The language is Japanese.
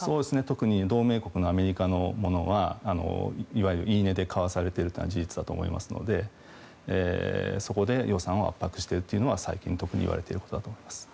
特に同盟国のアメリカのものは言い値で買わされているのは事実だと思いますのでそこで予算を圧迫しているというのは最近特に言われていることだと思います。